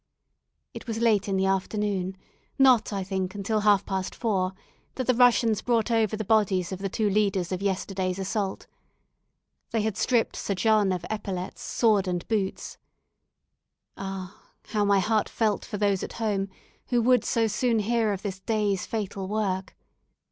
It was late in the afternoon, not, I think, until half past four, that the Russians brought over the bodies of the two leaders of yesterday's assault. They had stripped Sir John of epaulettes, sword, and boots. Ah! how my heart felt for those at home who would so soon hear of this day's fatal work.